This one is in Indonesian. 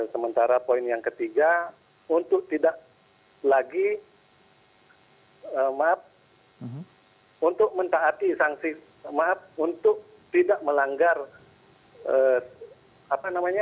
sementara poin yang ketiga untuk tidak lagi maaf untuk mentaati sanksi maaf untuk tidak melanggar apa namanya